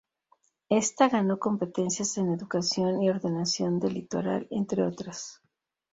Ésta ganó competencias en educación y ordenación del litoral, entre otras.